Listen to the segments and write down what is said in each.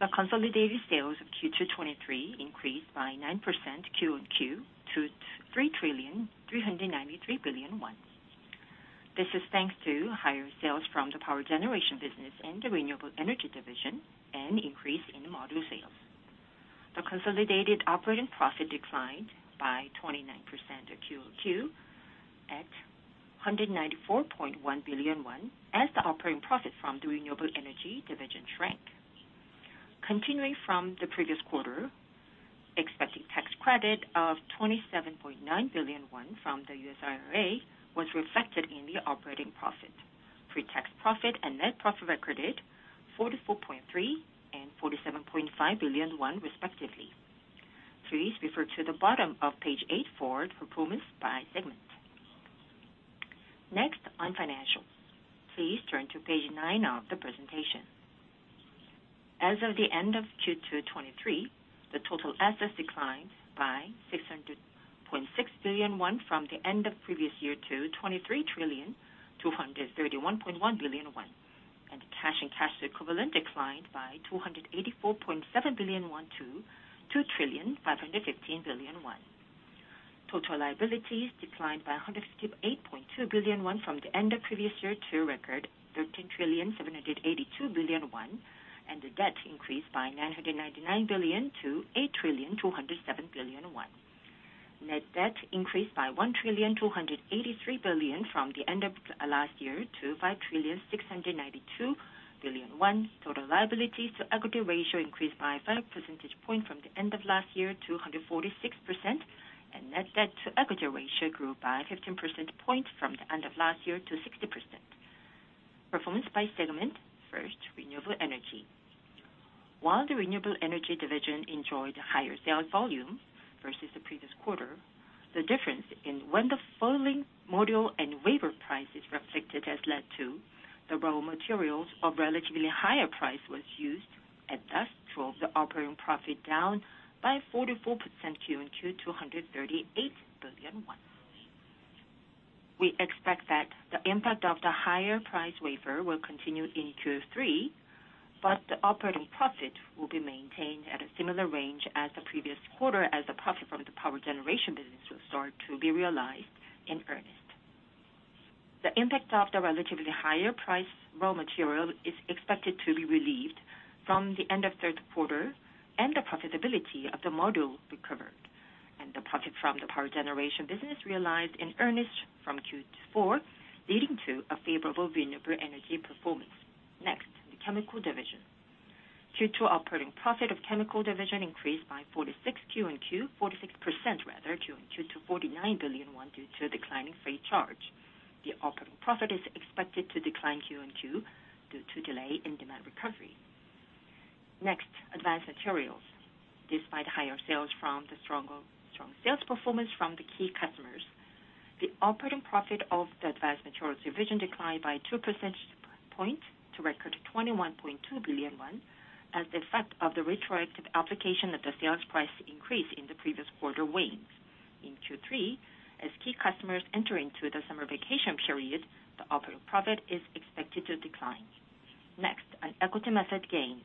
The consolidated sales of Q2 2023 increased by 9% QoQ to 3,393 billion. This is thanks to higher sales from the power generation business and the renewable energy division, and increase in module sales. The consolidated operating profit declined by 29% of QoQ at 194.1 billion won, as the operating profit from the renewable energy division shrank. Continuing from the previous quarter, expected tax credit of 27.9 billion won from the U.S. IRA was reflected in the operating profit. Pre-tax profit and net profit recorded 44.3 billion and 47.5 billion won, respectively. Please refer to the bottom of page eight for performance by segment. Next, on financials. Please turn to page nine of the presentation. As of the end of Q2 2023, the total assets declined by 600.6 billion won from the end of previous year to 23,231.1 billion won. The cash and cash equivalent declined by 284.7 billion won to 2,515 billion won. Total liabilities declined by 158.2 billion won from the end of previous year to a record 13,782 billion won. The debt increased by 999 billion to 8,207 billion. Net debt increased by 1,283 billion from the end of last year to 5,692 billion. Total liabilities to equity ratio increased by 5 percentage points from the end of last year to 146%, and net debt to equity ratio grew by 15% points from the end of last year to 60%. Performance by segment. First, renewable energy. While the renewable energy division enjoyed higher sales volume versus the previous quarter, the difference in when the falling module and wafer price is reflected has led to the raw materials of relatively higher price was used, and thus drove the operating profit down by 44% QoQ to 138 billion won. We expect that the impact of the higher price wafer will continue in Q3, but the operating profit will be maintained at a similar range as the previous quarter, as the profit from the power generation business will start to be realized in earnest. The impact of the relatively higher price raw material is expected to be relieved from the end of third quarter, and the profitability of the module recovered, and the profit from the power generation business realized in earnest from Q4, leading to a favorable renewable energy performance. Next, the Chemical Division. Q2 operating profit of Chemical Division increased by 46% QoQ, 46% rather, QoQ to 49 billion won, due to a decline in free charge. The operating profit is expected to decline QoQ, due to delay in demand recovery. Next, advanced materials. Despite higher sales from the strong sales performance from the key customers, the operating profit of the advanced materials division declined by 2 percentage points to record 21.2 billion won, as the effect of the retroactive application of the sales price increase in the previous quarter wanes. In Q3, as key customers enter into the summer vacation period, the operating profit is expected to decline. On equity method gains.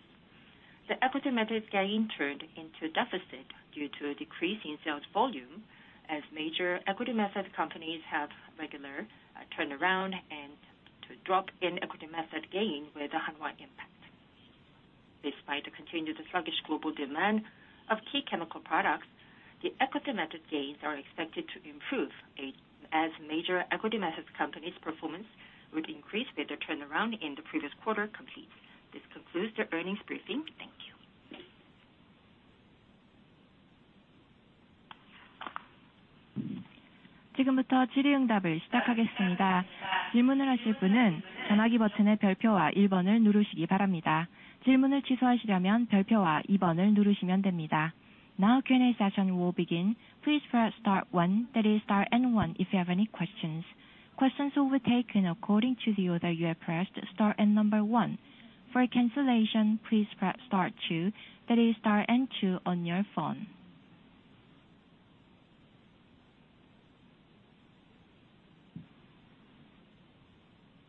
The equity methods gain turned into deficit due to a decrease in sales volume, as major equity method companies have regular turnaround and to drop in equity method gain with the Hanwha Impact. Despite the continued sluggish global demand of key chemical products, the equity method gains are expected to improve as major equity methods companies' performance would increase with the turnaround in the previous quarter complete. This concludes the earnings briefing. Thank you. Now Q&A session will begin. Please press star one, that is star and one, if you have any questions. Questions will be taken according to the order you have pressed star and number one. For cancellation, please press star two, that is star and two on your phone.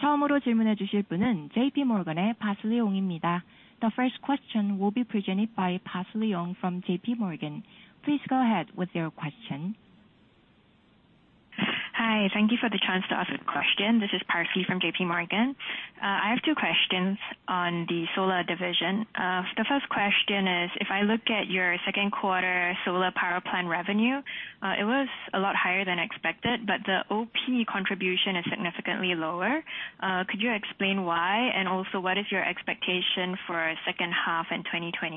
The first question will be presented by Daniel Kim from JPMorgan. Please go ahead with your question. Hi, thank you for the chance to ask a question. This is Parsley from JPMorgan. I have two questions on the solar division. The first question is, if I look at your second quarter solar power plant revenue, it was a lot higher than expected, but the OP contribution is significantly lower. Could you explain why, and also what is your expectation for second half in 2024?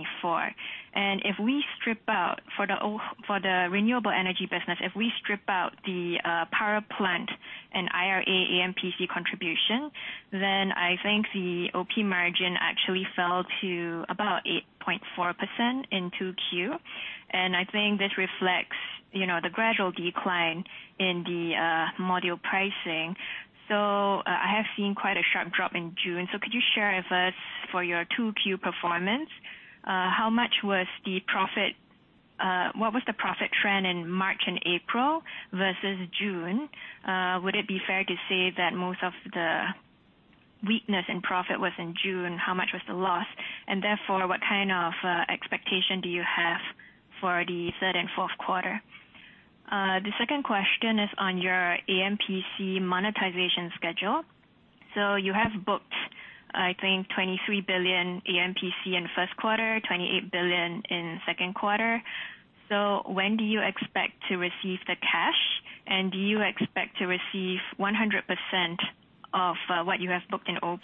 If we strip out for the renewable energy business, if we strip out the power plant and IRA AMPC contribution, then I think the OP margin actually fell to about 8.4% in 2Q. I think this reflects, you know, the gradual decline in the module pricing. I have seen quite a sharp drop in June so could you share with us for your 2Q performance, how much was the profit? What was the profit trend in March and April versus June? Would it be fair to say that most of the weakness in profit was in June? How much was the loss? Therefore, what kind of expectation do you have for the third and fourth quarter? The second question is on your AMPC monetization schedule. You have booked, I think, 23 billion AMPC in first quarter, 28 billion in second quarter. When do you expect to receive the cash? Do you expect to receive 100% of what you have booked in OP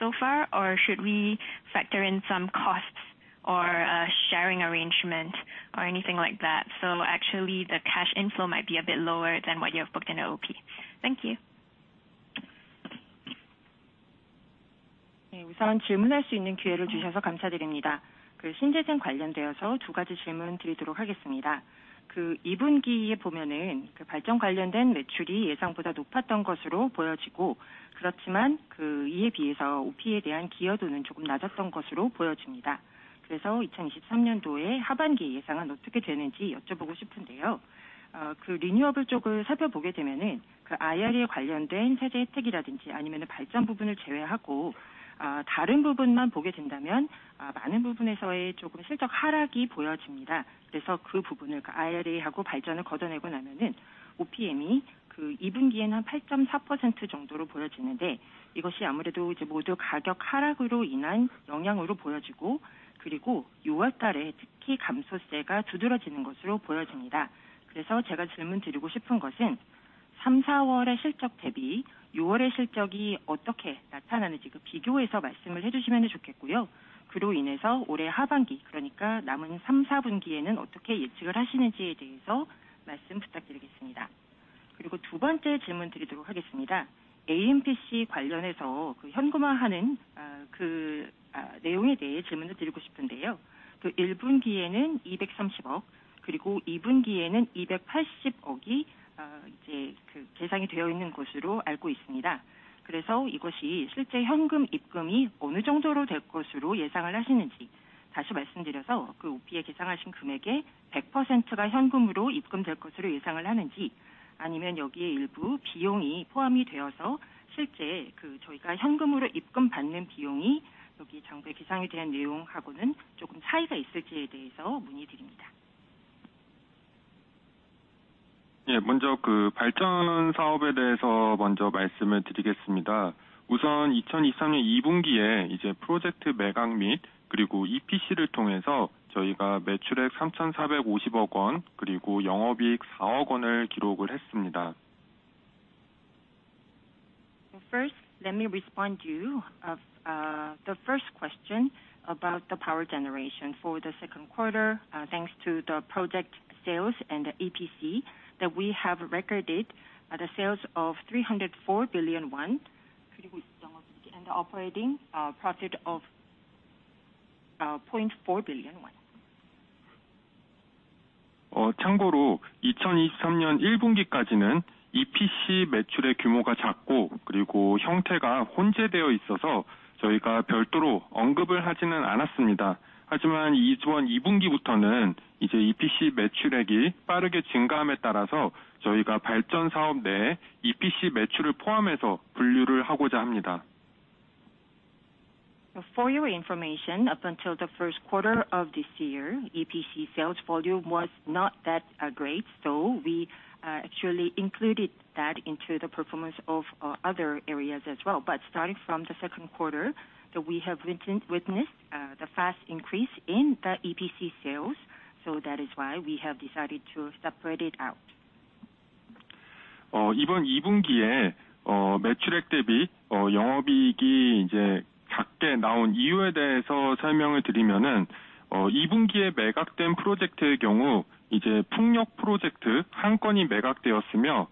so far? Or should we factor in some costs or a sharing arrangement or anything like that? Actually, the cash inflow might be a bit lower than what you have booked in the OP. Thank you. Yeah. 우선 질문할 수 있는 기회를 주셔서 감사드립니다. 신재생 관련되어서 두 가지 질문 드리도록 하겠습니다. 2Q에 보면은 그 발전 관련된 매출이 예상보다 높았던 것으로 보여지고, 그렇지만 그 이에 비해서 OP에 대한 기여도는 조금 낮았던 것으로 보여집니다. 2023년에 하반기 예상은 어떻게 되는지 여쭤보고 싶은데요. 그 renewable 쪽을 살펴보게 되면은 그 IRA에 관련된 세제 혜택이라든지 아니면 발전 부분을 제외하고, 다른 부분만 보게 된다면, 많은 부분에서의 조금 실적 하락이 보여집니다. 그 부분을 IRA하고 발전을 걷어내고 나면 OPM이 그 2Q에는 8.4% 정도로 보여지는데, 이것이 아무래도 이제 모두 가격 하락으로 인한 영향으로 보여지고, 6월 달에 특히 감소세가 두드러지는 것으로 보여집니다. 제가 질문드리고 싶은 것은 3, 4월의 실적 대비 6월의 실적이 어떻게 나타나는지, 그 비교해서 말씀을 해주시면 좋겠고요. 그로 인해서 올해 하반기, 그러니까 남은 3, 4분기에는 어떻게 예측을 하시는지에 대해서 말씀 부탁드리겠습니다. 두 번째 질문 드리도록 하겠습니다. AMPC 관련해서 그 현금화하는, 그, 내용에 대해 질문을 드리고 싶은데요. 1분기에는 23 billion, 그리고 2분기에는 28 billion이 이제 그 계산이 되어 있는 것으로 알고 있습니다. 이것이 실제 현금 입금이 어느 정도로 될 것으로 예상을 하시는지, 다시 말씀드려서 그 OP에 계산하신 금액의 100%가 현금으로 입금될 것으로 예상을 하는지, 아니면 여기에 일부 비용이 포함이 되어서 실제 그 저희가 현금으로 입금 받는 비용이 여기 장부 계상에 대한 내용하고는 조금 차이가 있을지에 대해서 문의드립니다. 네, 먼저 그 발전 사업에 대해서 먼저 말씀을 드리겠습니다. 우선 2023 2Q에 이제 프로젝트 매각 및 그리고 EPC를 통해서 저희가 매출액 3,450 억, 그리고 영업이익 4 억을 기록을 했습니다. First, let me respond to you. The first question about the power generation for the second quarter. Thanks to the project sales and the EPC that we have recorded, the sales of KRW 304 billion and the operating profit of KRW 0.4 billion. 참고로 2023년 Q1까지는 EPC 매출의 규모가 작고, 그리고 형태가 혼재되어 있어서 저희가 별도로 언급을 하지는 않았습니다. 이번 2Q부터는 이제 EPC 매출액이 빠르게 증가함에 따라서 저희가 발전 사업 내 EPC 매출을 포함해서 분류를 하고자 합니다. For your information, up until the first quarter of this year, EPC sales volume was not that great. We actually included that into the performance of other areas as well. Starting from the second quarter, that we have witnessed the fast increase in the EPC sales. That is why we have decided to separate it out. 이번 2분기에, 매출액 대비, 영업이익이 이제 작게 나온 이유에 대해서 설명을 드리면은, 2분기에 매각된 프로젝트의 경우, 이제 풍력 프로젝트 1건이 매각되었으며,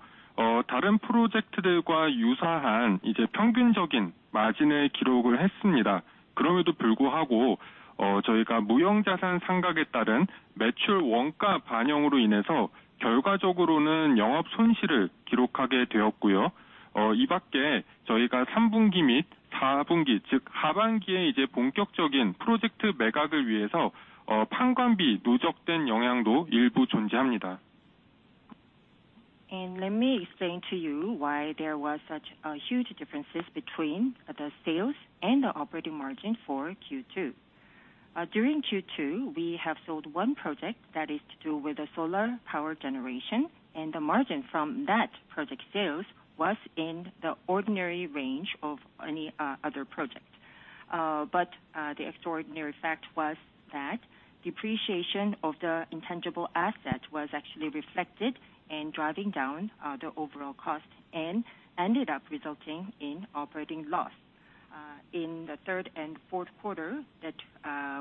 다른 프로젝트들과 유사한 이제 평균적인 마진을 기록을 했습니다. 그럼에도 불구하고, 저희가 무형자산 상각에 따른 매출 원가 반영으로 인해서 결과적으로는 영업손실을 기록하게 되었고요. 이 밖에 저희가 3분기 및 4분기, 즉 하반기에 이제 본격적인 프로젝트 매각을 위해서, 판관비 누적된 영향도 일부 존재합니다. Let me explain to you why there was such a huge differences between the sales and the operating margin for Q2. During Q2, we have sold one project that is to do with the solar power generation, and the margin from that project sales was in the ordinary range of any other project. The extraordinary fact was that depreciation of the intangible asset was actually reflected in driving down the overall cost and ended up resulting in operating loss. In the third and fourth quarter that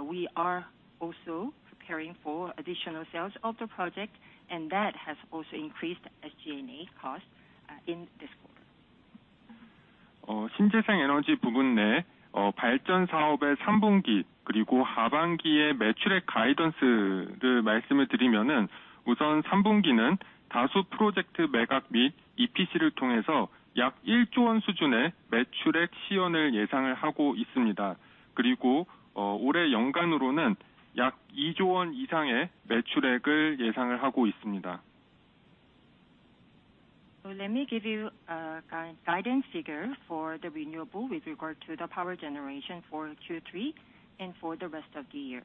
we are also preparing for additional sales of the project, and that has also increased SG&A costs in this quarter. 신재생 에너지 부분 내, 발전 사업의 3분기, 그리고 하반기에 매출액 가이던스를 말씀을 드리면은 우선 3분기는 다수 프로젝트 매각 및 EPC를 통해서 약 KRW 1 trillion 수준의 매출액 시현을 예상을 하고 있습니다. 올해 연간으로는 약 2 trillion 이상의 매출액을 예상을 하고 있습니다. Let me give you a guidance figure for the renewable with regard to the power generation for Q3 and for the rest of the year.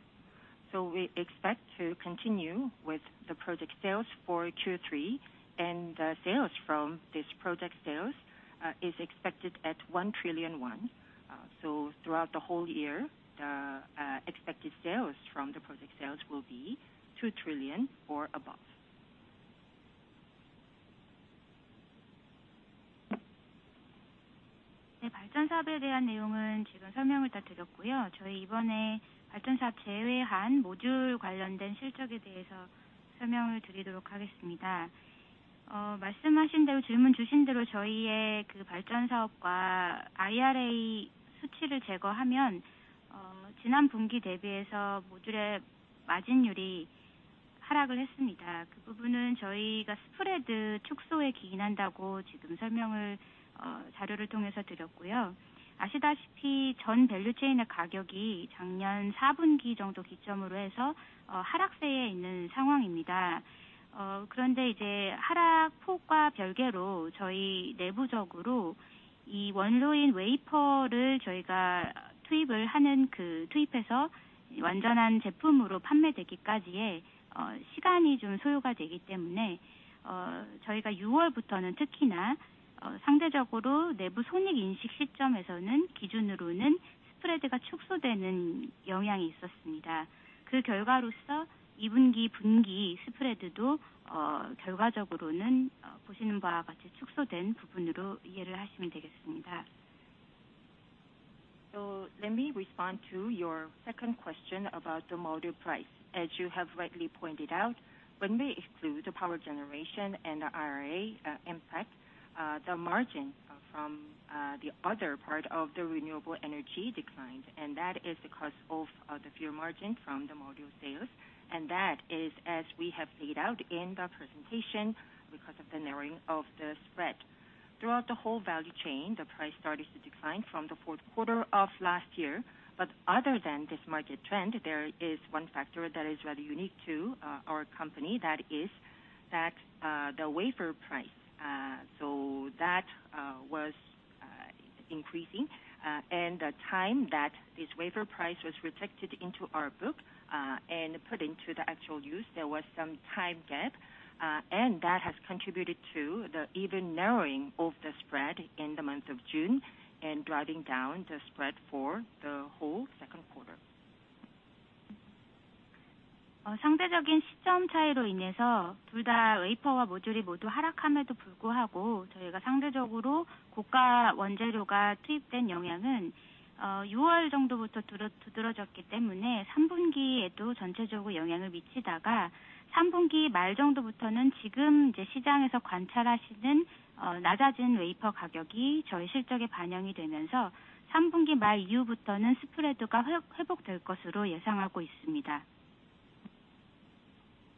We expect to continue with the project sales for Q3, and the sales from this project sales is expected at KRW 1 trillion. Throughout the whole year, the expected sales from the project sales will be KRW 2 trillion or above. Yeah. Let me respond to your second question about the module price. As you have rightly pointed out, when we exclude the power generation and the IRA impact, the margin from the other part of the renewable energy declined, and that is because of the fewer margin from the module sales, and that is, as we have laid out in the presentation, because of the narrowing of the spread. Throughout the whole value chain, the price started to decline from the fourth quarter of last year, but other than this market trend, there is one factor that is rather unique to our company. That is that the wafer price. That was increasing, and the time that this wafer price was reflected into our book and put into the actual use, there was some time gap, and that has contributed to the even narrowing of the spread in the month of June and driving down the spread for the whole second quarter.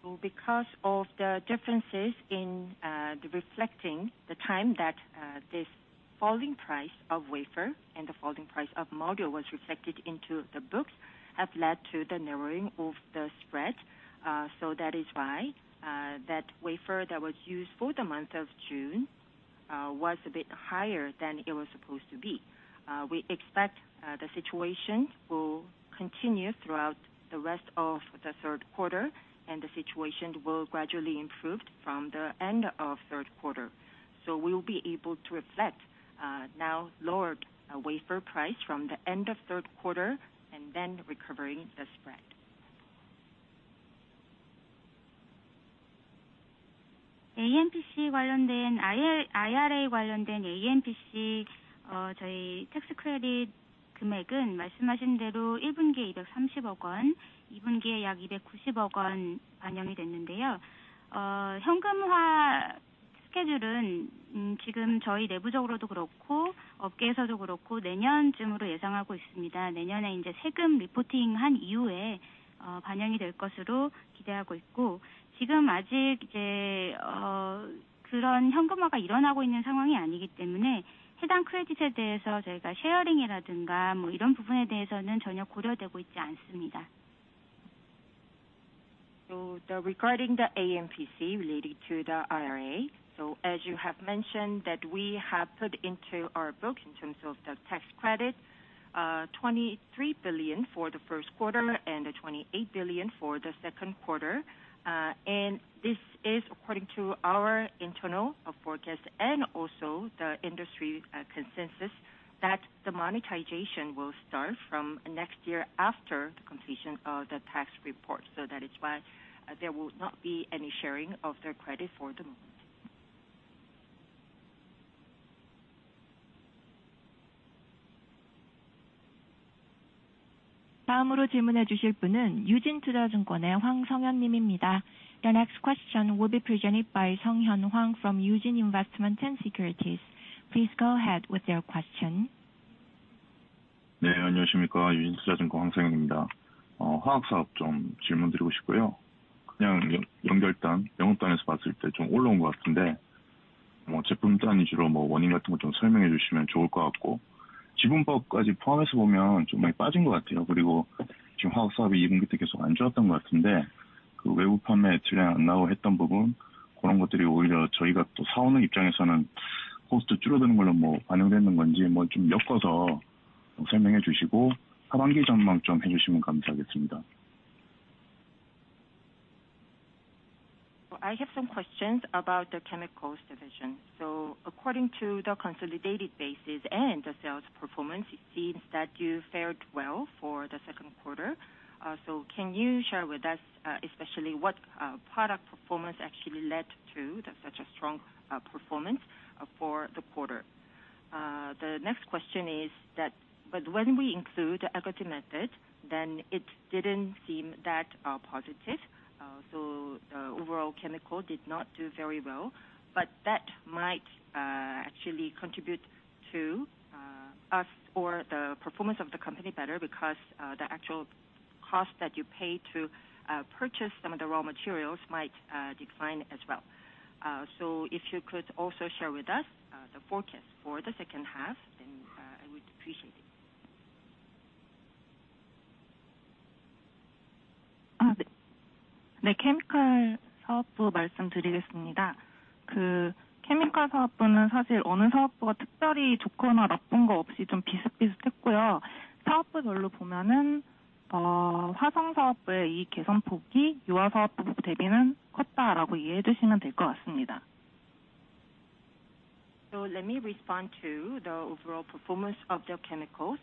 Of the differences in the reflecting the time that this falling price of wafer and the falling price of module was reflected into the books, have led to the narrowing of the spread. That is why that wafer that was used for the month of June was a bit higher than it was supposed to be. We expect the situation will continue throughout the rest of the third quarter, and the situation will gradually improve from the end of third quarter. We will be able to reflect now lowered wafer price from the end of third quarter and then recovering the spread. AMPC 관련된, IRA 관련된 AMPC, 저희 tax credit 금액은 말씀하신 대로 first quarter에 23 billion, second quarter에 약 29 billion 반영이 됐는데요. 현금화 스케줄은, 지금 저희 내부적으로도 그렇고, 업계에서도 그렇고, 내년쯤으로 예상하고 있습니다. 내년에 이제 세금 리포팅한 이후에 반영이 될 것으로 기대하고 있고, 지금 아직 이제 그런 현금화가 일어나고 있는 상황이 아니기 때문에, 해당 크레딧에 대해서 저희가 셰어링이라든가 뭐 이런 부분에 대해서는 전혀 고려되고 있지 않습니다. Regarding the AMPC related to the IRA, as you have mentioned, that we have put into our book in terms of the tax credit, 23 billion for the first quarter and 28 billion for the second quarter. This is according to our internal forecast and also the industry consensus, that the monetization will start from next year after the completion of the tax report. That is why there will not be any sharing of their credit for the moment. The next question will be presented by Sung-hyun Hwang from Eugene Investment & Securities. Please go ahead with your question. 네, 안녕하십니까? 유진투자증권 황성현입니다. 화학 사업 좀 질문드리고 싶고요. 그냥 연결단, 영업단에서 봤을 때좀 올라온 것 같은데, 뭐, 제품단 위주로 뭐 원인 같은 것좀 설명해 주시면 좋을 것 같고. 지분법까지 포함해서 보면 좀 많이 빠진 것 같아요. 지금 화학 사업이 2분기 때 계속 안 좋았던 것 같은데, 그 외부 판매 출하 안 나오고 했던 부분, 그런 것들이 오히려 저희가 또 사오는 입장에서는 코스트 줄어드는 걸로 뭐 반영되는 건지 뭐좀 엮어서 설명해 주시고 하반기 전망 좀 해주시면 감사하겠습니다. I have some questions about the chemicals division. According to the consolidated basis and the sales performance, it seems that you fared well for the second quarter. Can you share with us, especially what product performance actually led to such a strong performance for the quarter? The next question is that, when we include the equity method, it didn't seem that positive. The overall chemical did not do very well, but that might actually contribute to us or the performance of the company better because the actual cost that you pay to purchase some of the raw materials might decline as well. If you could also share with us the forecast for the second half, then I would appreciate it. 케미칼 사업부 말씀드리겠습니다. 케미칼 사업부는 사실 어느 사업부가 특별히 좋거나 나쁜 거 없이 좀 비슷비슷했습니다. 사업부 별로 보면은 어, 화성 사업부의 이 개선 폭이 유아 사업부 대비는 컸다라고 이해해 주시면 될것 같습니다. Let me respond to the overall performance of the chemicals.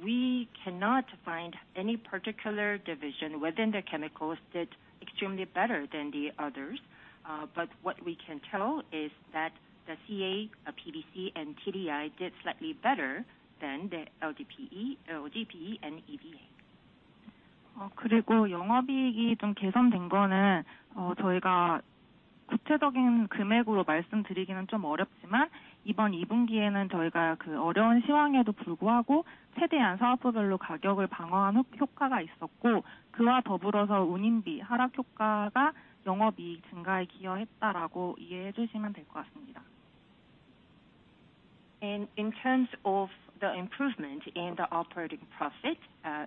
We cannot find any particular division within the chemicals that extremely better than the others. What we can tell is that the CA, PVC, and TDI did slightly better than the LDPE, LLDPE, and EVA. 그리고 영업이익이 좀 개선된 거는 저희가 구체적인 금액으로 말씀드리기는 좀 어렵지만, 이번 이 분기에는 저희가 그 어려운 시황에도 불구하고 최대한 사업부 별로 가격을 방어한 효과가 있었고, 그와 더불어서 운임비 하락 효과가 영업이익 증가에 기여했다라고 이해해 주시면 될것 같습니다. In terms of the improvement in the operating profit,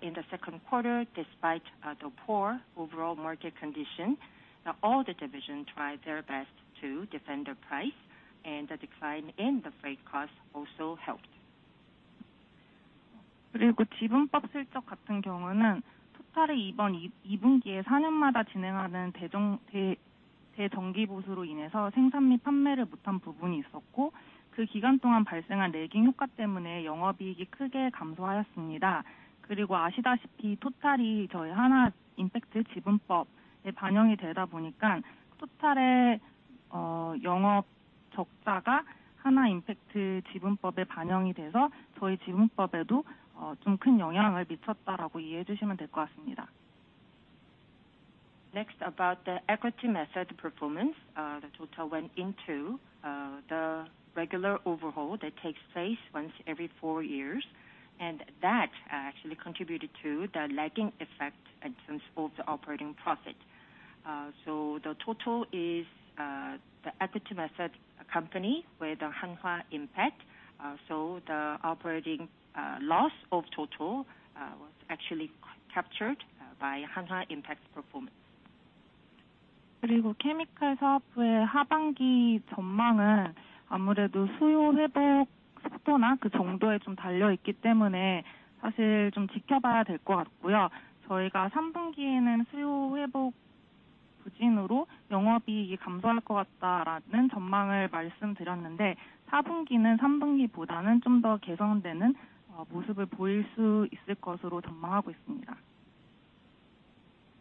in the second quarter, despite the poor overall market condition, all the divisions tried their best to defend their price and the decline in the freight costs also helped. 지분법 실적 같은 경우는 Total이 이번 2분기에 4년마다 진행하는 대정기 보수로 인해서 생산 및 판매를 못한 부분이 있었고, 그 기간 동안 발생한 내긴 효과 때문에 영업이익이 크게 감소하였습니다. 아시다시피 Total이 저희 Hanwha Impact 지분법에 반영이 되다 보니까, Total의 영업 적자가 Hanwha Impact 지분법에 반영이 돼서 저희 지분법에도 좀큰 영향을 미쳤다라고 이해해 주시면 될것 같습니다. About the equity method performance, the Total went into the regular overhaul that takes place once every four years, and that actually contributed to the lagging effect in terms of the operating profit. The Total is the equity method company where the Hanwha Impact. The operating loss of Total was actually captured by Hanwha Impact performance. 케미칼 사업부의 하반기 전망은 아무래도 수요 회복 속도나 그 정도에 좀 달려 있기 때문에 사실 좀 지켜봐야 될것 같고요. 저희가 삼분기에는 수요 회복 부진으로 영업이익이 감소할 것 같다라는 전망을 말씀드렸는데, 사분기는 삼분기보다는 좀더 개선되는 모습을 보일 수 있을 것으로 전망하고 있습니다.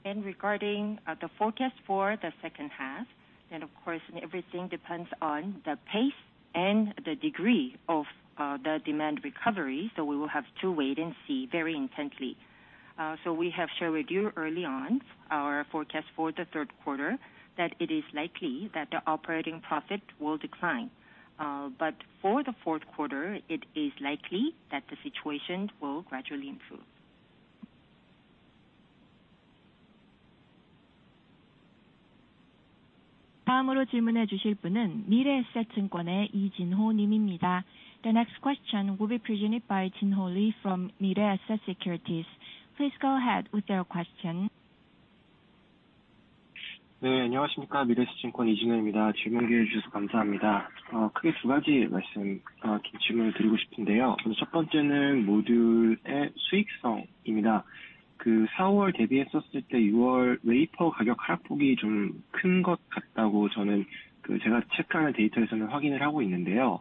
Regarding the forecast for the second half, everything depends on the pace and the degree of the demand recovery. We will have to wait and see very intently. We have shared with you early on our forecast for the third quarter, that it is likely that the operating profit will decline. For the fourth quarter, it is likely that the situation will gradually improve. 다음으로 질문해 주실 분은 미래에셋증권의 이진호님입니다. The next question will be presented by Jinho Lee from Mirae Asset Securities. Please go ahead with your question. 안녕하십니까? Mirae Asset Securities Jinho Lee입니다. 질문 기회 주셔서 감사합니다. 크게 2가지 말씀, 질문을 드리고 싶은데요. 첫 번째는 모듈의 수익성입니다. 4월 대비했었을 때 6월 wafer 가격 하락폭이 좀큰것 같다고 저는 체크하는 데이터에서는 확인을 하고 있는데요.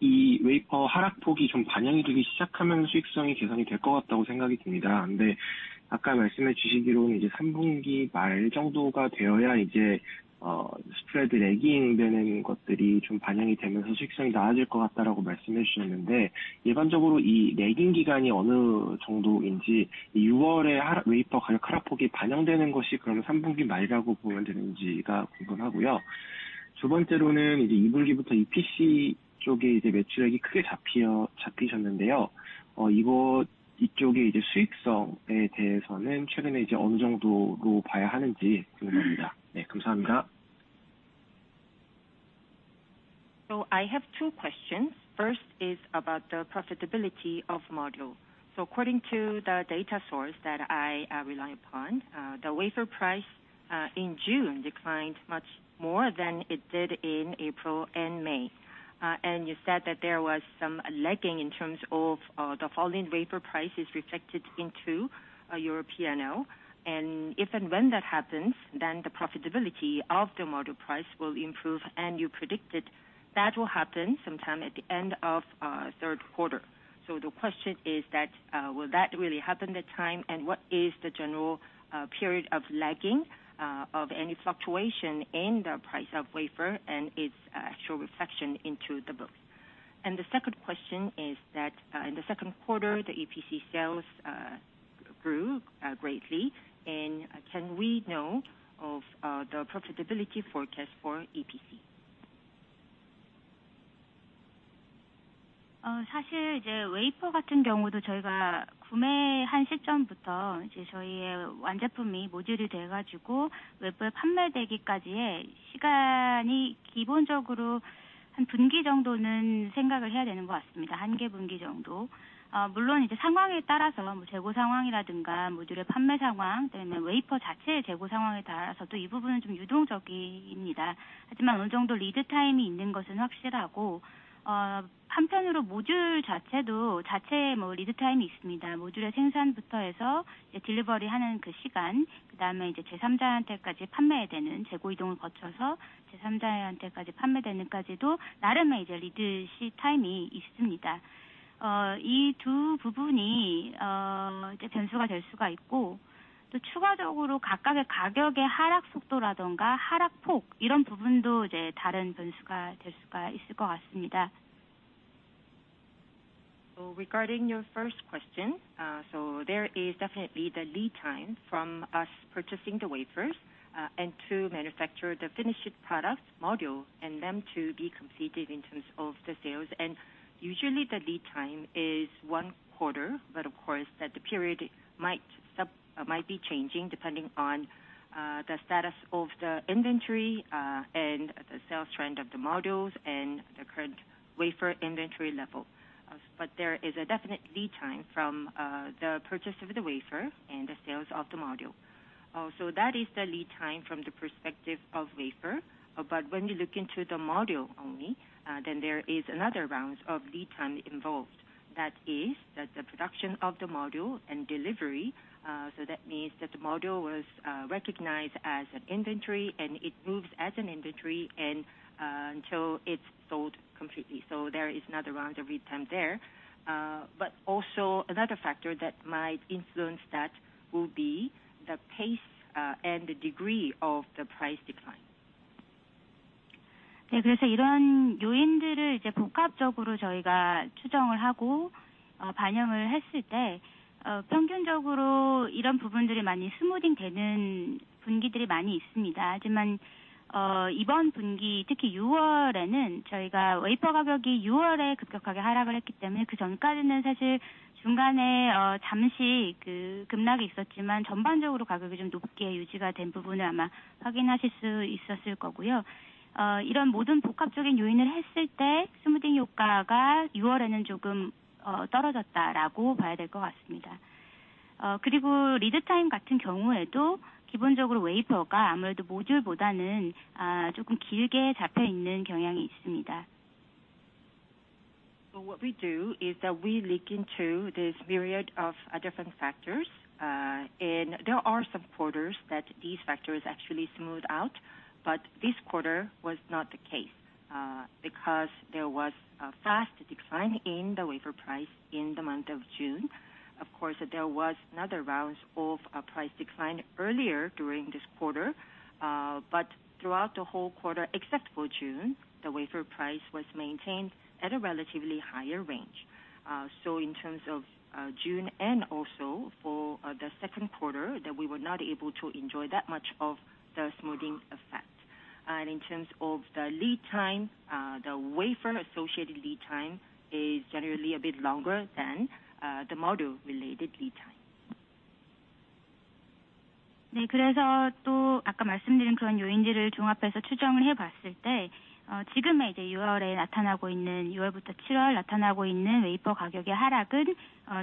이 wafer 하락폭이 좀 반영이 되기 시작하면 수익성이 개선이 될것 같다고 생각이 듭니다. 아까 말씀해 주시기로는 이제 3분기 말 정도가 되어야 이제 스프레드 lagging되는 것들이 좀 반영이 되면서 수익성이 나아질 것 같다라고 말씀해 주셨는데, 일반적으로 이 lagging 기간이 어느 정도인지, six월의 wafer 가격 하락폭이 반영되는 것이 그러면 3분기 말라고 보면 되는지가 궁금하고요. 두 번째로는 이제 2분기부터 EPC 쪽에 이제 매출액이 크게 잡히셨는데요. 이쪽의 이제 수익성에 대해서는 최근에 이제 어느 정도로 봐야 하는지 궁금합니다. 감사합니다. I have two questions. First is about the profitability of module. According to the data source that I rely upon, the wafer price in June declined much more than it did in April and May. You said that there was some lagging in terms of the falling wafer prices reflected into your P&L. If and when that happens, then the profitability of the module price will improve, and you predicted that will happen sometime at the end of third quarter. The question is that, will that really happen that time? What is the general period of lagging of any fluctuation in the price of wafer and its actual reflection into the book? The second question is that, in the second quarter, the EPC sales grew greatly. Can we know of the profitability forecast for EPC? 사실 이제 wafer 같은 경우도 저희가 구매한 시점부터 이제 저희의 완제품이 모듈이 돼 가지고 외부에 판매되기까지의 시간이 기본적으로 1분기 정도는 생각을 해야 되는 것 같습니다. 1개 분기 정도. 물론 이제 상황에 따라서 뭐 재고 상황이라든가, 모듈의 판매 상황, 그다음에 wafer 자체의 재고 상황에 따라서 또이 부분은 좀 유동적입니다. 하지만 어느 정도 리드 타임이 있는 것은 확실하고, 한편으로 모듈 자체도 자체의 뭐 리드 타임이 있습니다. 모듈의 생산부터 해서 이제 delivery 하는 그 시간, 그다음에 이제 제삼자한테까지 판매되는 재고 이동을 거쳐서 제삼자한테까지 판매되는데까지도 나름의 이제 리드 타임이 있습니다. 이두 부분이, 이제 변수가 될 수가 있고, 또 추가적으로 각각의 가격의 하락 속도라든가, 하락 폭, 이런 부분도 이제 다른 변수가 될 수가 있을 것 같습니다. Regarding your first question, there is definitely the lead time from us purchasing the wafers and to manufacture the finished product module and them to be completed in terms of the sales. Usually the lead time is one quarter, but of course, that the period might stop, might be changing depending on the status of the inventory and the sales trend of the modules and the current wafer inventory level. There is a definite lead time from the purchase of the wafer and the sales of the module. That is the lead time from the perspective of wafer. When we look into the module only, there is another round of lead time involved. That is that the production of the module and delivery, so that means that the module was recognized as an inventory, and it moves as an inventory and until it's sold completely. There is another round of lead time there. Also another factor that might influence that will be the pace and the degree of the price decline. 이런 요인들을 이제 복합적으로 저희가 추정을 하고, 반영을 했을 때, 평균적으로 이런 부분들이 많이 smoothing 되는 분기들이 많이 있습니다. 이번 분기, 특히 June에는 저희가 wafer 가격이 June에 급격하게 하락을 했기 때문에, 그 전까지는 사실 중간에, 잠시 그 급락이 있었지만, 전반적으로 가격이 좀 높게 유지가 된 부분을 아마 확인하실 수 있었을 거고요. 이런 모든 복합적인 요인을 했을 때 smoothing 효과가 June에는 조금 떨어졌다라고 봐야 될것 같습니다. 리드 타임 같은 경우에도 기본적으로 wafer가 아무래도 모듈보다는 조금 길게 잡혀 있는 경향이 있습니다. What we do is that we look into this period of different factors. And there are some quarters that these factors actually smoothed out, but this quarter was not the case because there was a fast decline in the wafer price in the month of June. Of course, there was another round of price decline earlier during this quarter, but throughout the whole quarter, except for June, the wafer price was maintained at a relatively higher range. In terms of June and also for the second quarter, that we were not able to enjoy that much of the smoothing effect. In terms of the lead time, the wafer associated lead time is generally a bit longer than the module related lead time. 또 아까 말씀드린 그런 요인들을 종합해서 추정을 해봤을 때, 지금 이제 6월에 나타나고 있는, 6월부터 7월 나타나고 있는 wafer 가격의 하락은,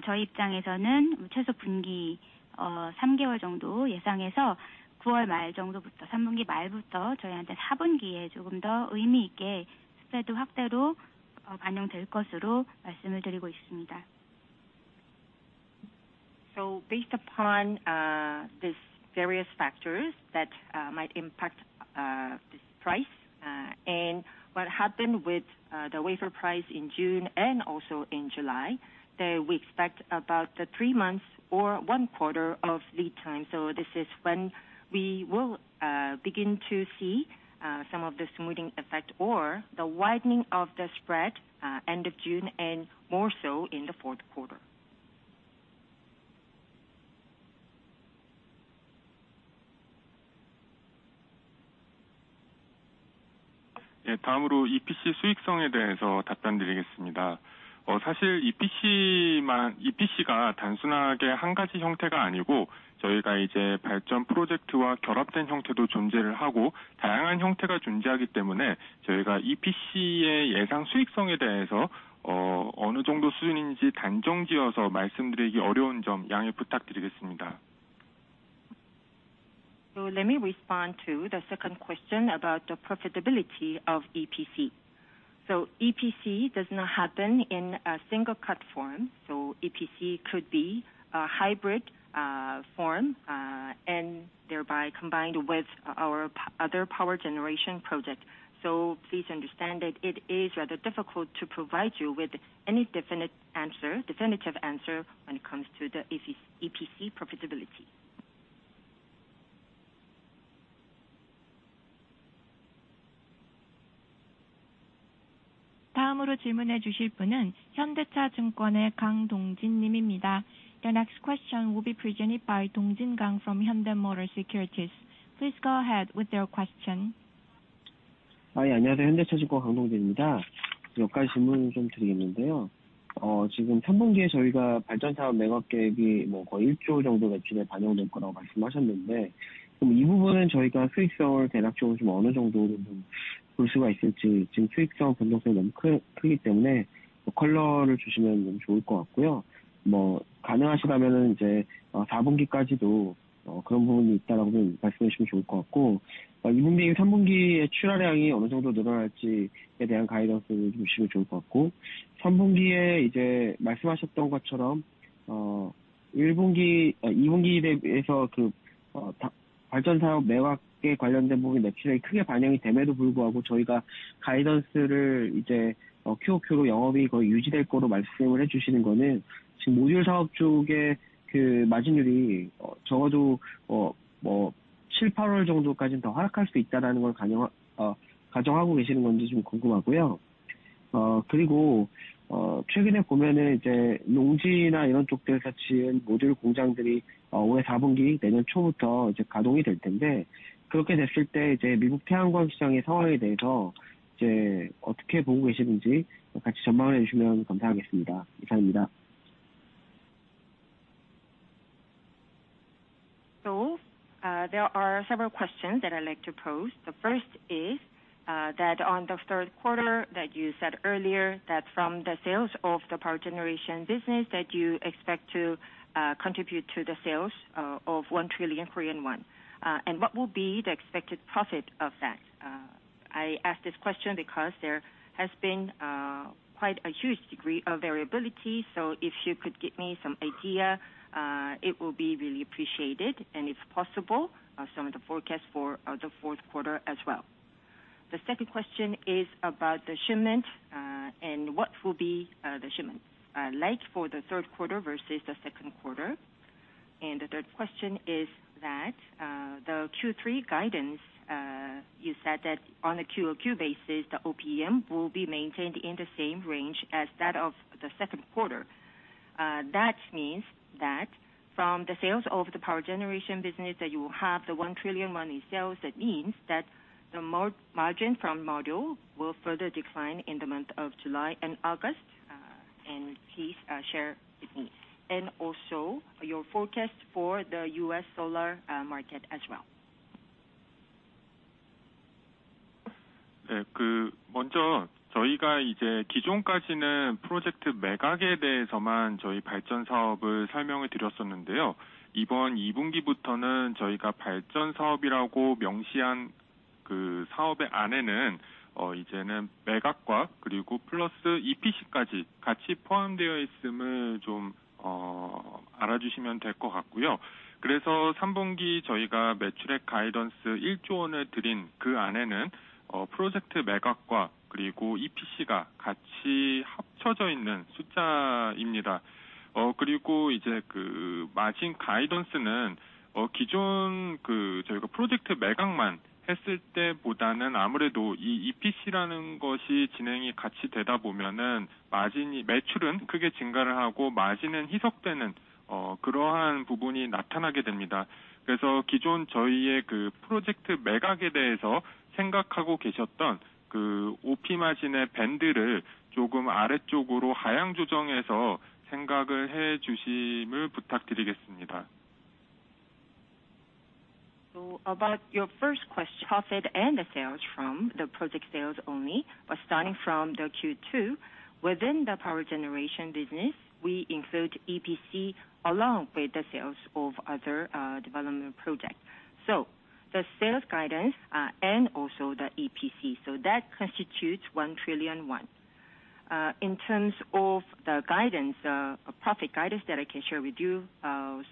저희 입장에서는 최소 분기, 3개월 정도 예상해서, 9월 말 정도부터, 3분기 말부터 저희한테 4분기에 조금 더 의미 있게 spread 확대로, 반영될 것으로 말씀을 드리고 있습니다. Based upon, these various factors that, might impact, this price, and what happened with, the wafer price in June and also in July, that we expect about the three months or one quarter of lead time. This is when we will, begin to see, some of the smoothing effect or the widening of the spread, end of June and more so in the fourth quarter. 예, 다음으로 EPC 수익성에 대해서 답변드리겠습니다. 사실 EPC만, EPC가 단순하게 한 가지 형태가 아니고, 저희가 이제 발전 프로젝트와 결합된 형태도 존재를 하고, 다양한 형태가 존재하기 때문에, 저희가 EPC의 예상 수익성에 대해서 어느 정도 수준인지 단정 지어서 말씀드리기 어려운 점 양해 부탁드리겠습니다. Let me respond to the second question about the profitability of EPC. EPC does not happen in a single cut form. EPC could be a hybrid form and thereby combined with our other power generation project. Please understand that it is rather difficult to provide you with any definitive answer when it comes to the EPC profitability. 다음으로 질문해 주실 분은 현대차증권의 강동진 님입니다. The next question will be presented by Dong-jin Kang from Hyundai Motor Securities. Please go ahead with your question. Hi. 안녕하세요. Hyundai Motor Securities Dong-jin Kang입니다. 몇 가지 질문을 좀 드리겠는데요. 지금 3분기에 저희가 발전 사업 매각 계획이 뭐 거의 1 trillion 정도 매출에 반영될 거라고 말씀하셨는데, 그럼 이 부분은 저희가 수익성을 대략적으로 좀 어느 정도로 좀볼 수가 있을지, 지금 수익성 변동성이 너무 크기 때문에 뭐 컬러를 주시면 너무 좋을 것 같고요. 뭐 가능하시다면 이제 4분기까지도 그런 부분이 있다라고 좀 말씀해 주시면 좋을 것 같고, 2분기, 3분기에 출하량이 어느 정도 늘어날지에 대한 가이던스를 주시면 좋을 것 같고, 3분기에 이제 말씀하셨던 것처럼 1분기, 2분기에 대해서 그 발전 사업 매각에 관련된 부분이 매출에 크게 반영이 됨에도 불구하고, 저희가 가이던스를 이제 QoQ로 영업이 거의 유지될 거로 말씀을 해주시는 거는 지금 모듈 사업 쪽의 그 마진율이 적어도 7, 8월 정도까지는 더 하락할 수 있다라는 걸 가정하고 계시는 건지 좀 궁금하고요. 최근에 보면은 이제 농지나 이런 쪽에서 지은 모듈 공장들이 올해 4분기 내년 초부터 이제 가동이 될 텐데, 그렇게 됐을 때 이제 미국 태양광 시장의 상황에 대해서 이제 어떻게 보고 계시는지 같이 전망을 해주시면 감사하겠습니다. 이상입니다. There are several questions that I'd like to pose. The first is that on the third quarter, that you said earlier, that from the sales of the power generation business, that you expect to contribute to the sales of 1 trillion Korean won. What will be the expected profit of that? I ask this question because there has been quite a huge degree of variability. If you could give me some idea, it will be really appreciated. If possible, some of the forecast for the fourth quarter as well. The second question is about the shipment, and what will be the shipment like for the third quarter versus the second quarter? The third question is that, the Q3 guidance, you said that on a QoQ basis, the OPM will be maintained in the same range as that of the second quarter. That means that from the sales of the power generation business, that you will have 1 trillion in sales, that means that the margin from module will further decline in the month of July and August. And please, share with me and also your forecast for the U.S. solar market as well. 먼저 저희가 이제 기존까지는 프로젝트 매각에 대해서만 저희 발전 사업을 설명을 드렸었는데요. 이번 2분기부터는 저희가 발전 사업이라고 명시한 그 사업의 안에는 이제는 매각과 그리고 플러스 EPC까지 같이 포함되어 있음을 좀 알아주시면 될것 같고요. 3분기 저희가 매출액 가이던스 1 trillion을 드린, 그 안에는 프로젝트 매각과 그리고 EPC가 같이 합쳐져 있는 숫자입니다. 이제 그 마진 가이던스는 기존 그 저희가 프로젝트 매각만 했을 때보다는 아무래도 이 EPC라는 것이 진행이 같이 되다 보면은 마진이, 매출은 크게 증가를 하고, 마진은 희석되는 그러한 부분이 나타나게 됩니다. 기존 저희의 그 프로젝트 매각에 대해서 생각하고 계셨던 그 OP 마진의 밴드를 조금 아래쪽으로 하향 조정해서 생각을 해주심을 부탁드리겠습니다. About your first question, profit and the sales from the project sales only, but starting from the Q2, within the power generation business, we include EPC along with the sales of other development projects. The sales guidance, and also the EPC, so that constitutes 1 trillion won. In terms of the guidance, profit guidance that I can share with you,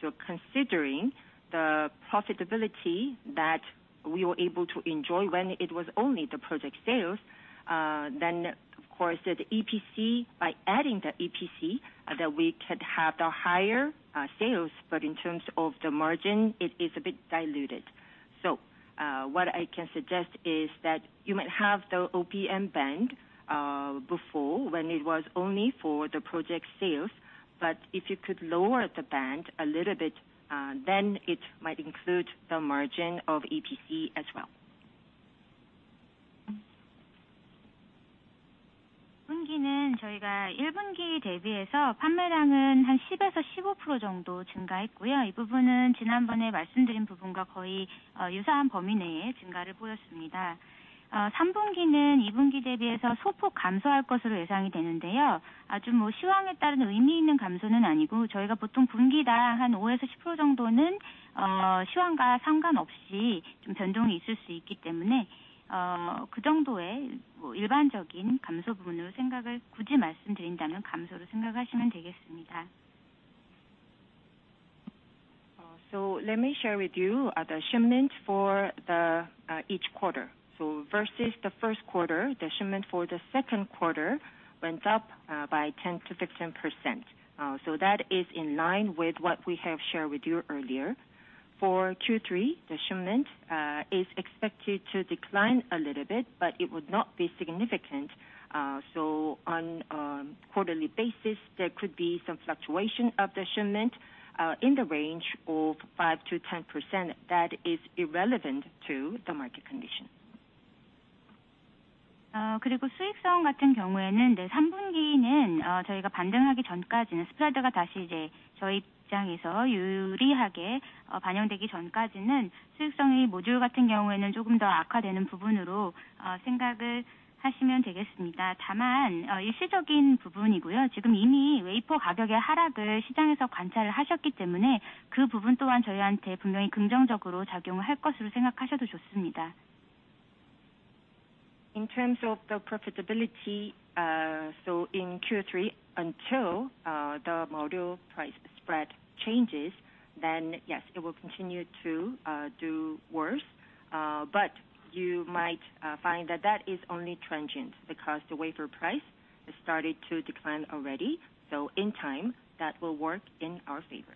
so considering the profitability that we were able to enjoy when it was only the project sales, then of course, the EPC, by adding the EPC, that we could have the higher sales. In terms of the margin, it is a bit diluted. What I can suggest is that you might have the OPM band before when it was only for the project sales, but if you could lower the band a little bit, then it might include the margin of EPC as well. 저희가 1분기 대비해서 판매량은 한 10%-15% 정도 증가했고요. 이 부분은 지난번에 말씀드린 부분과 거의 유사한 범위 내에 증가를 보였습니다. 3분기는 2분기 대비해서 소폭 감소할 것으로 예상이 되는데요. 아주 뭐 시황에 따른 의미 있는 감소는 아니고, 저희가 보통 분기당 한 5%-10% 정도는 시황과 상관없이 좀 변동이 있을 수 있기 때문에, 그 정도의 뭐, 일반적인 감소 부분으로 생각을 굳이 말씀드린다면 감소로 생각하시면 되겠습니다. Let me share with you the shipment for the each quarter. Versus the first quarter, the shipment for the second quarter went up by 10%-15%. That is in line with what we have shared with you earlier. For Q3, the shipment is expected to decline a little bit, but it would not be significant. On a quarterly basis, there could be some fluctuation of the shipment in the range of 5%-10% that is irrelevant to the market condition. 그리고 수익성 같은 경우에는 3분기는 저희가 반등하기 전까지는 스프레드가 다시 이제 저희 입장에서 유리하게 반영되기 전까지는 수익성이 모듈 같은 경우에는 조금 더 악화되는 부분으로 생각을 하시면 되겠습니다. 다만, 일시적인 부분이고요, 지금 이미 웨이퍼 가격의 하락을 시장에서 관찰을 하셨기 때문에, 그 부분 또한 저희한테 분명히 긍정적으로 작용할 것으로 생각하셔도 좋습니다. In terms of the profitability, in Q3, until the module price spread changes, then yes, it will continue to do worse. You might find that that is only transient, because the wafer price has started to decline already. In time, that will work in our favor.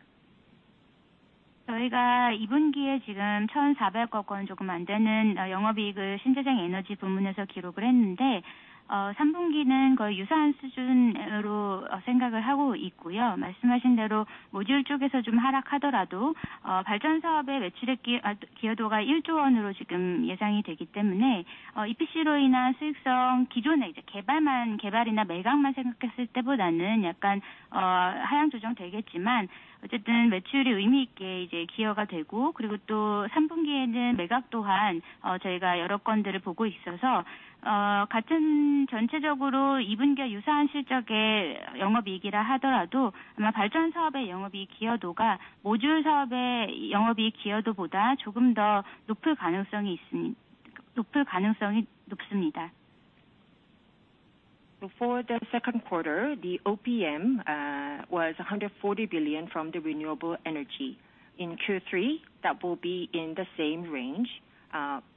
저희가 Q2에 지금 140 billion 조금 안 되는 영업이익을 신재생 에너지 부문에서 기록을 했는데, Q3는 거의 유사한 수준으로 생각을 하고 있고요. 말씀하신 대로 모듈 쪽에서 좀 하락하더라도, 발전 사업의 매출액 기여도가 1 trillion으로 지금 예상이 되기 때문에, EPC로 인한 수익성, 기존에 이제 개발만, 개발이나 매각만 생각했을 때보다는 약간 하향 조정되겠지만, 어쨌든 매출이 의미 있게 이제 기여가 되고, 그리고 또 3분기에는 매각 또한 저희가 여러 건들을 보고 있어서, 같은 전체적으로 2분기와 유사한 실적의 영업이익이라 하더라도, 아마 발전 사업의 영업이익 기여도가 모듈 사업의 영업이익 기여도보다 조금 더 높을 가능성이 있음, 높을 가능성이 높습니다. For the second quarter, the OPM was 140 billion from the renewable energy. In Q3, that will be in the same range,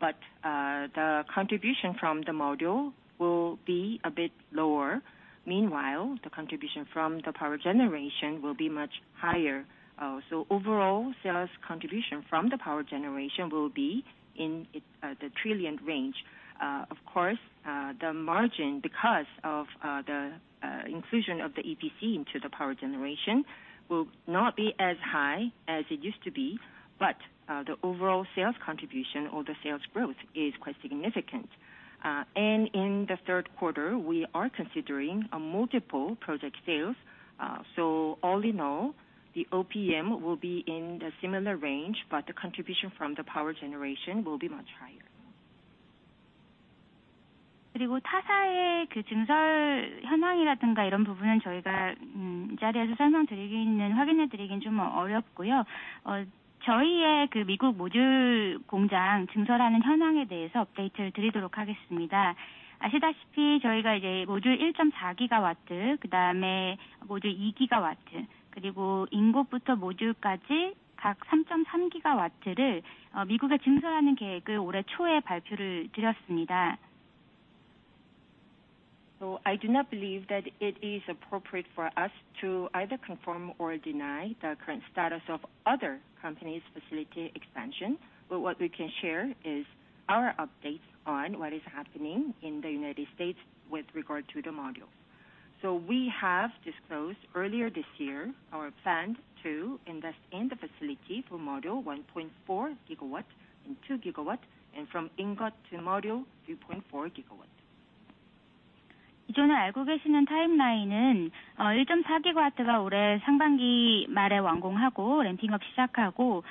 but the contribution from the module will be a bit lower. Meanwhile, the contribution from the power generation will be much higher. Overall sales contribution from the power generation will be in the trillion range. Of course, the margin, because of the inclusion of the EPC into the power generation will not be as high as it used to be. The overall sales contribution or the sales growth is quite significant. In the third quarter, we are considering a multiple project sales. All in all, the OPM will be in the similar range, but the contribution from the power generation will be much higher. 그리고 타사의 그 증설 현황이라든가, 이런 부분은 저희가 이 자리에서 설명드리기에는, 확인해 드리기는 좀 어렵고요. 저희의 그 미국 모듈 공장 증설하는 현황에 대해서 업데이트를 드리도록 하겠습니다. 아시다시피 저희가 이제 모듈 1.4 GW, 그다음에 모듈 2 GW, 그리고 ingot부터 모듈까지 각 3.3 GW를 미국에 증설하는 계획을 올해 초에 발표를 드렸습니다. I do not believe that it is appropriate for us to either confirm or deny the current status of other companies' facility expansion. What we can share is our update on what is happening in the United States with regard to the module. We have disclosed earlier this year our plans to invest in the facility for module 1.4 GW and 2 GW, and from ingot to module, 3.4 GW. 기존에 알고 계시는 타임라인은 1.4 GW가 올해 상반기 말에 완공하고 ramping up 시작하고,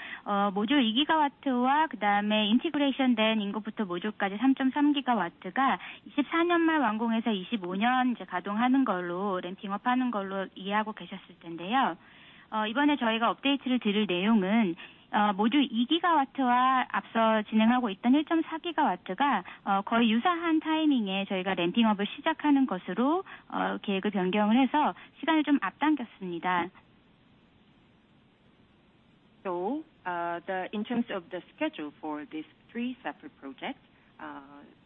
모듈 2 GW와 그다음에 integrated된 ingot부터 모듈까지 3.3 GW가 2024년 말 완공해서 2025년 이제 가동하는 걸로, ramping up 하는 걸로 이해하고 계셨을 텐데요. 이번에 저희가 업데이트를 드릴 내용은, module 2 GW와 앞서 진행하고 있던 1.4 GW가 거의 유사한 타이밍에 저희가 ramping up을 시작하는 것으로 계획을 변경을 해서 시간을 좀 앞당겼습니다. In terms of the schedule for these three separate projects,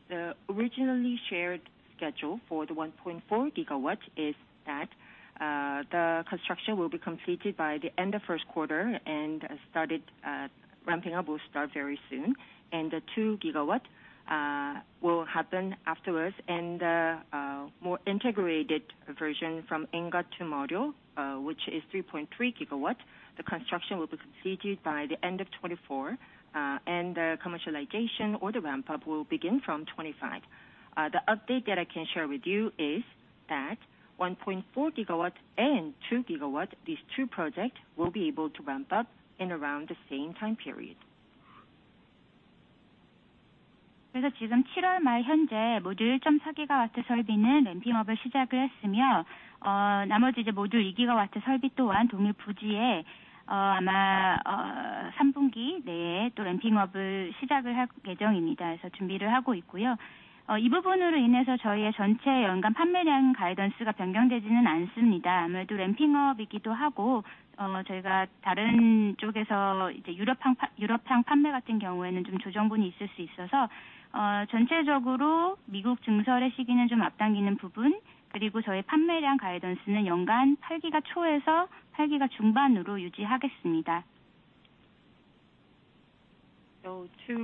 the originally shared schedule for the 1.4 GW is that the construction will be completed by the end of first quarter and started, ramping up will start very soon. And the 2 GW will happen afterwards, and more integrated version from ingot to module, which is 3.3 GW. The construction will be completed by the end of 2024, and the commercialization or the ramp up will begin from 2025. The update that I can share with you is that 1.4 GW and 2 GW, these two projects will be able to ramp up in around the same time period. Foreign language. To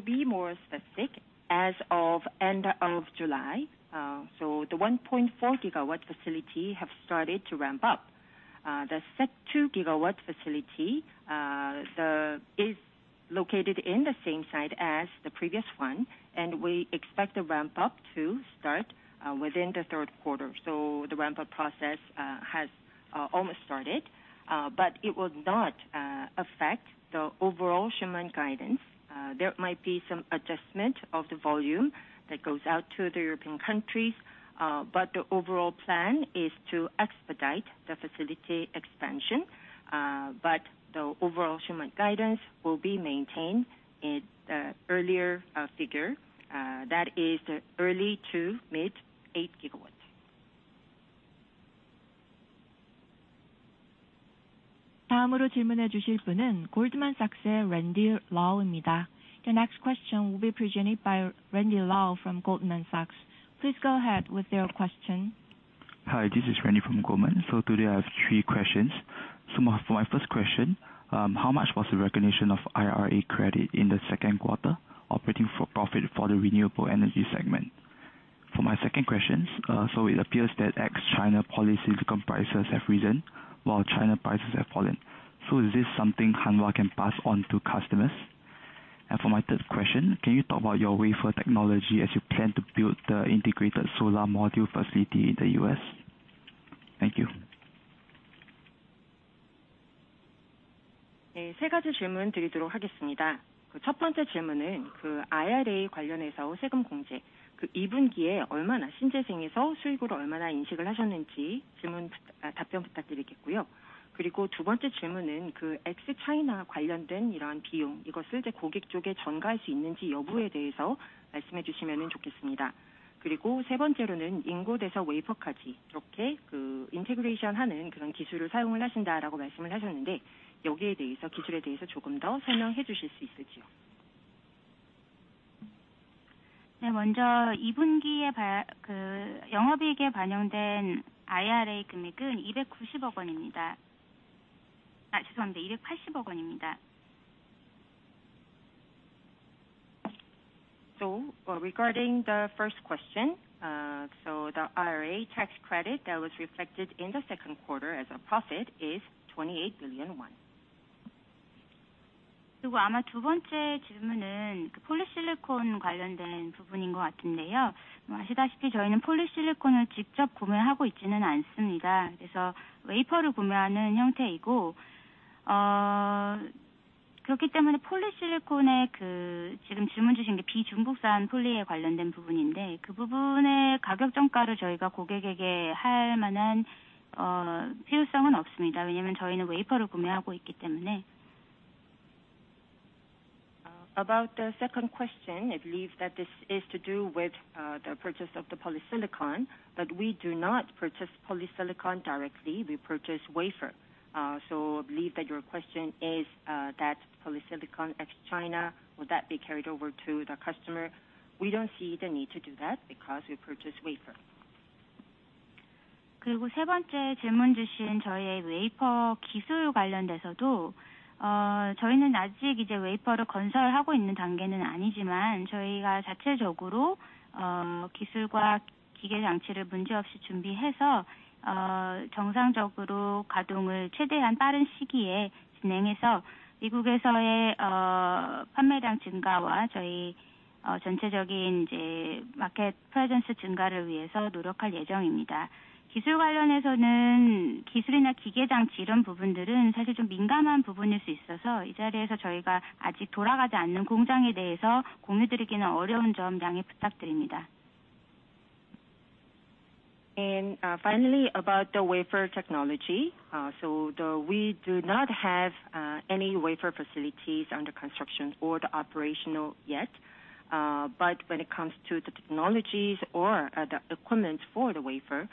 be more specific, as of end of July, the 1.4 GW facility have started to ramp up. The set 2 GW facility is located in the same site as the previous one, and we expect the ramp up to start within the third quarter. The ramp up process has almost started, but it will not affect the overall shipment guidance. There might be some adjustment of the volume that goes out to the European countries, but the overall plan is to expedite the facility expansion. But the overall shipment guidance will be maintained in the earlier figure that is the early to mid 8 GW. Foreign language. The next question will be presented by Randy Lau from Goldman Sachs. Please go ahead with your question. Hi, this is Randy from Goldman. Today I have three questions. For my first question, how much was the recognition of IRA credit in the second quarter operating for profit for the renewable energy segment? For my second question, it appears that ex-China polysilicon prices have risen while China prices have fallen. Is this something Hanwha can pass on to customers? For my thrid question, can you talk about your wafer technology as you plan to build the integrated solar module facility in the U.S.? Thank you. Foreign language. Regarding the first question, the IRA tax credit that was reflected in the second quarter as a profit is 28 billion won. Foreign language. About the second question, I believe that this is to do with the purchase of the polysilicon. We do not purchase polysilicon directly. We purchase wafer. I believe that your question is that polysilicon ex-China, would that be carried over to the customer? We don't see the need to do that because we purchase wafer. Foreign language. Finally, about the wafer technology. We do not have any wafer facilities under construction or operational yet. When it comes to the technologies or the equipment for the wafer,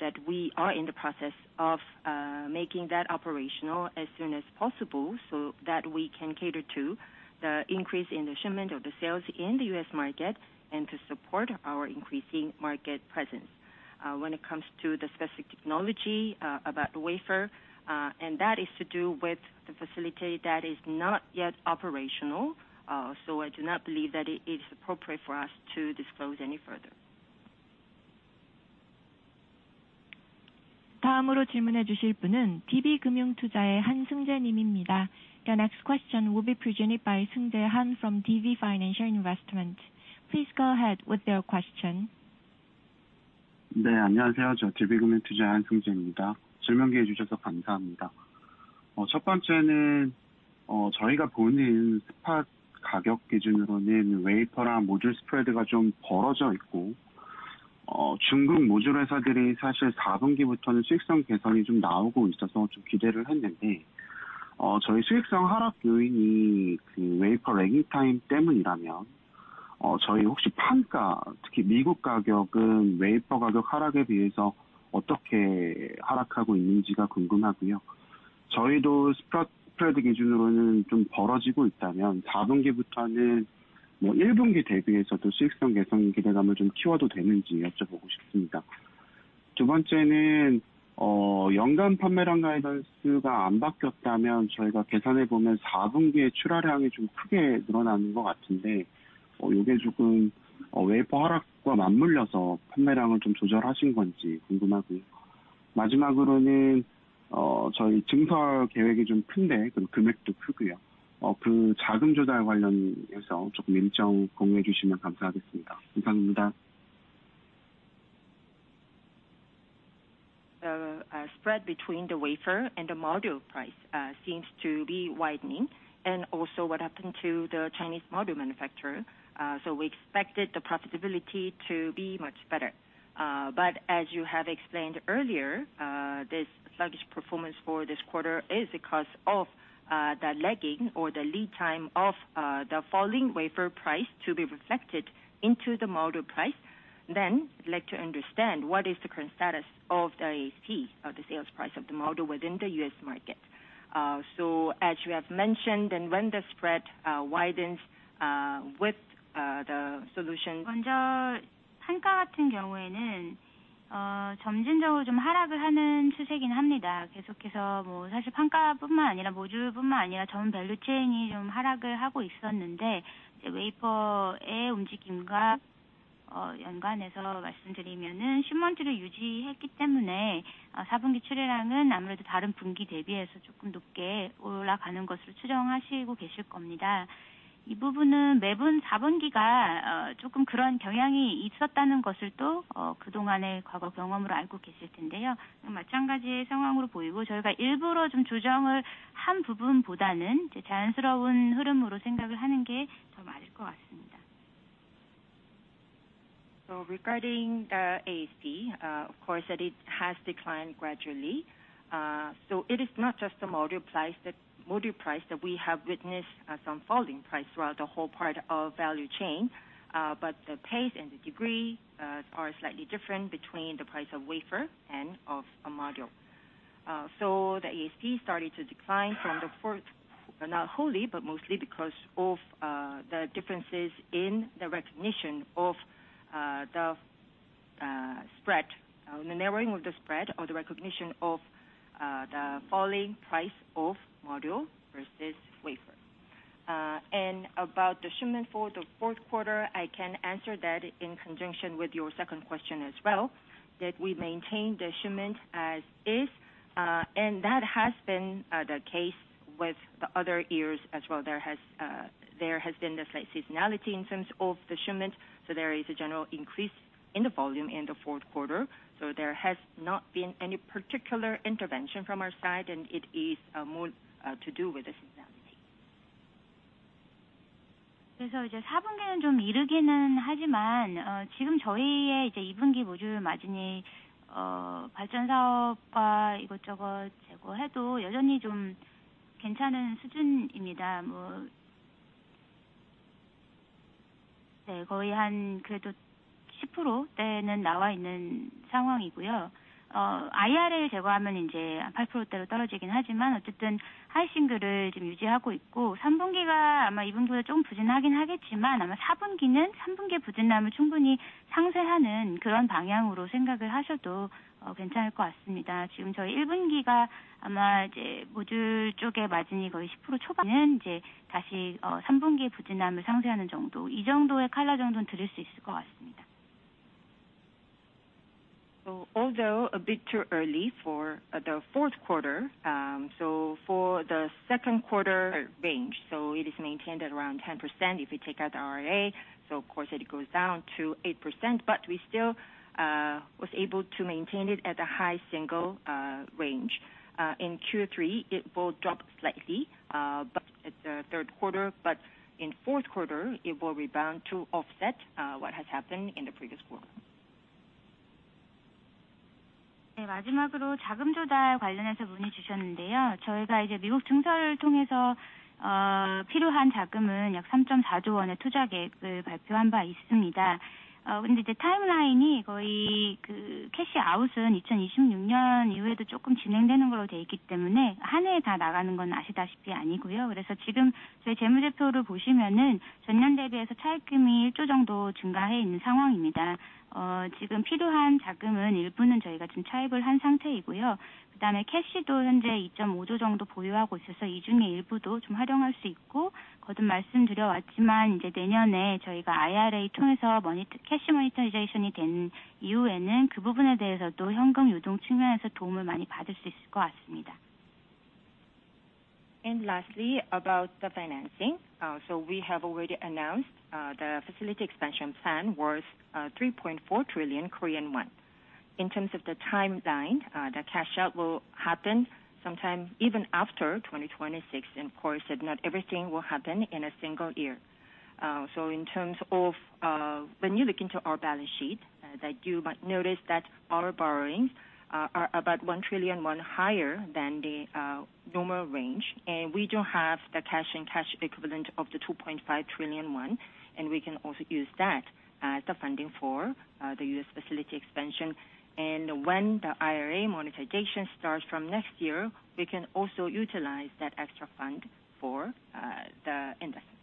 that we are in the process of making that operational as soon as possible, so that we can cater to the increase in the shipment of the sales in the U.S. market and to support our increasing market presence. When it comes to the specific technology about the wafer, that is to do with the facility that is not yet operational, I do not believe that it is appropriate for us to disclose any further. 다음으로 질문해 주실 분은 DB금융투자의 한승재님입니다.The next question will be presented by Seung-jae Han from DB Financial Investment. Please go ahead with your question. 안녕하세요. 저 DB금융투자 한승재입니다. 질문 기회 주셔서 감사합니다. 첫 번째는, 저희가 보는 스팟 가격 기준으로는 웨이퍼랑 모듈 스프레드가 좀 벌어져 있고, 중국 모듈 회사들이 사실 4분기부터는 수익성 개선이 좀 나오고 있어서 좀 기대를 했는데, 저희 수익성 하락 요인이 그 웨이퍼 레깅 타임 때문이라면, 저희 혹시 판가, 특히 미국 가격은 웨이퍼 가격 하락에 비해서 어떻게 하락하고 있는지가 궁금하고요. 저희도 스프레드 기준으로는 좀 벌어지고 있다면 4분기부터는 1분기 대비해서도 수익성 개선 기대감을 좀 키워도 되는지 여쭤보고 싶습니다. 두 번째는, 연간 판매량 가이던스가 안 바뀌었다면 저희가 계산해 보면 4분기에 출하량이 좀 크게 늘어나는 것 같은데, 이게 조금 웨이퍼 하락과 맞물려서 판매량을 좀 조절하신 건지 궁금하고요. 마지막으로는, 저희 증설 계획이 좀 큰데 그럼 금액도 크고요. 그 자금 조달 관련해서 조금 일정 공유해 주시면 감사하겠습니다. 감사합니다. Spread between the wafer and the module price seems to be widening. Also what happened to the Chinese module manufacturer. We expected the profitability to be much better. As you have explained earlier, this sluggish performance for this quarter is because of the lagging or the lead time of the falling wafer price to be reflected into the module price. I'd like to understand what is the current status of the ASP of the sales price of the module within the U.S. market. As you have mentioned, and when the spread widens, with the solution. 먼저 판가 같은 경우에는, 점진적으로 좀 하락을 하는 추세이긴 합니다. 계속해서 사실 판가뿐만 아니라 module뿐만 아니라 전 value chain이 좀 하락을 하고 있었는데, 이제 wafer의 움직임과 연관해서 말씀드리면은 심원지를 유지했기 때문에 Q4 출하량은 아무래도 다른 분기 대비해서 조금 높게 올라가는 것으로 추정하시고 계실 겁니다. 이 부분은 매분 Q4가 조금 그런 경향이 있었다는 것을 또 그동안의 과거 경험으로 알고 계실 텐데요. 마찬가지의 상황으로 보이고, 저희가 일부러 좀 조정을 한 부분보다는 이제 자연스러운 흐름으로 생각을 하는 게더 맞을 것 같습니다. Regarding the ASP, of course, that it has declined gradually. It is not just the module price, that module price that we have witnessed, some falling price throughout the whole part of value chain, but the pace and the degree are slightly different between the price of wafer and of a module. The ASP started to decline from the fourth, but not wholly, but mostly because of the differences in the recognition of the spread, the narrowing of the spread or the recognition of the falling price of module versus wafer. About the shipment for the fourth quarter, I can answer that in conjunction with your second question as well, that we maintain the shipment as is. That has been the case with the other years as well. There has been the seasonality in terms of the shipment, so there is a general increase in the volume in the fourth quarter. There has not been any particular intervention from our side, and it is more to do with the seasonality. 이제 4분기는 좀 이르기는 하지만, 지금 저희의 이제 2분기 모듈 마진이, 발전 사업과 이것저것 제거해도 여전히 좀 괜찮은 수준입니다. 거의 한 그래도 10%대는 나와 있는 상황이고요. IRA를 제거하면 이제 한 8%대로 떨어지긴 하지만 어쨌든 하이 싱글을 지금 유지하고 있고, 3분기가 아마 2분기보다 조금 부진하긴 하겠지만, 아마 4분기는 3분기 부진함을 충분히 상쇄하는 그런 방향으로 생각을 하셔도 괜찮을 것 같습니다. 지금 저희 1분기가 아마 이제 모듈 쪽의 마진이 거의 10% 초반은, 이제 다시, 3분기 부진함을 상쇄하는 정도, 이 정도의 컬러 정도는 드릴 수 있을 것 같습니다. Although a bit too early for the fourth quarter, for the second quarter range, it is maintained at around 10%. If you take out the IRA, of course, it goes down to 8%, but we still was able to maintain it at a high single range. In Q3, it will drop slightly, but at the third quarter, but in fourth quarter, it will rebound to offset what has happened in the previous quarter. 네, 마지막으로 자금 조달 관련해서 문의 주셨는데요. 저희가 이제 미국 증설을 통해서, 필요한 자금은 약 3.4 trillion KRW의 투자 계획을 발표한 바 있습니다. 그런데 이제 타임라인이 거의 그 캐시 아웃은 2026년 이후에도 조금 진행되는 걸로 돼 있기 때문에 한 해에 다 나가는 건 아시다시피 아니고요. 지금 저희 재무제표를 보시면은 전년 대비해서 차입금이 1 trillion KRW 정도 증가해 있는 상황입니다. 지금 필요한 자금은 일부는 저희가 지금 차입을 한 상태이고요. 그다음에 캐시도 현재 2.5 trillion 정도 보유하고 있어서 이 중에 일부도 좀 활용할 수 있고, 거듭 말씀드려 왔지만, 이제 내년에 저희가 IRA 통해서 머니 캐시 모니터리제이션이 된 이후에는 그 부분에 대해서도 현금 유동 측면에서 도움을 많이 받을 수 있을 것 같습니다. Lastly, about the financing. We have already announced the facility expansion plan worth 3.4 trillion Korean won. In terms of the timeline, the cash out will happen sometime even after 2026. Of course, not everything will happen in a single year. In terms of, when you look into our balance sheet, as I do, but notice that our borrowings are about 1 trillion higher than the normal range, and we do have the cash and cash equivalent of 2.5 trillion, and we can also use that as the funding for the U.S. facility expansion. When the IRA monetization starts from next year, we can also utilize that extra fund for the investment.